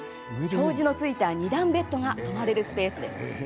障子のついた２段ベッドが泊まれるスペース。